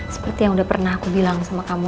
seperti yang udah pernah aku bilang sama kamu